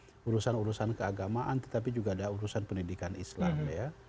bukan urusan urusan keagamaan tetapi juga ada urusan pendidikan islam ya